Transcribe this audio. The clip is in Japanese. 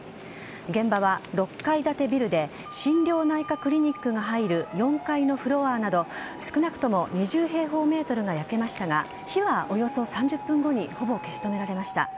現場は６階建てビルで心療内科クリニックが入る４階のフロアなど少なくとも２０平方ｍが焼けましたが火はおよそ３０分後にほぼ消し止められました。